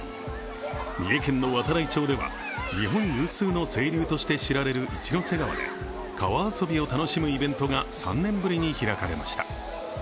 三重県の度会町では、日本有数の清流として知られる一之瀬川で川遊びを楽しむイベントが３年ぶりに開かれました。